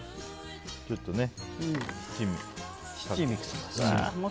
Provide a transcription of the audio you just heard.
ちょっと七味を。